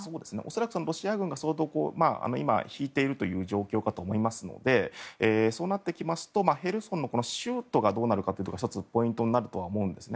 恐らくロシア軍が引いているという状況かと思いますのでそうなってきますとヘルソンの州都がどうなるかというのが１つのポイントになるとは思うんです。